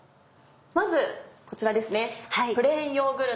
まずこちらですね。